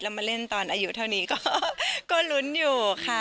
มาเล่นตอนอายุเท่านี้ก็ลุ้นอยู่ค่ะ